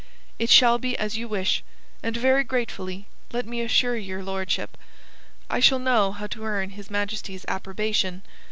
"It shall be as you wish and very gratefully, let me assure your lordship. I shall know how to earn His Majesty's approbation.